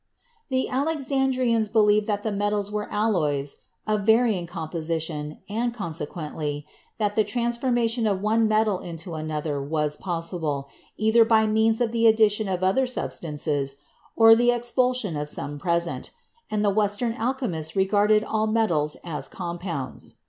The Alexandrians believed that the metals were alloys of varying composition and, consequently, that the trans formation of one metal into another was possible, either by means of the addition of other substances or the expulsion of some present; and the Western alchemists regarded all metals as compounds.